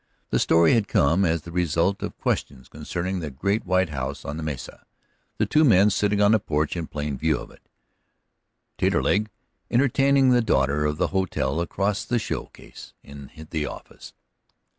The story had come as the result of questions concerning the great white house on the mesa, the two men sitting on the porch in plain view of it, Taterleg entertaining the daughter of the hotel across the show case in the office.